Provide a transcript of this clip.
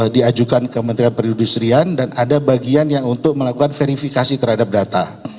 diajukan kementerian perindustrian dan ada bagian yang untuk melakukan verifikasi terhadap data